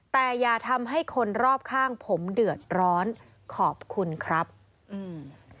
แต่อย่าทำให้คนรอบข้างผมเดือดร้อนขอบคุณครับอืม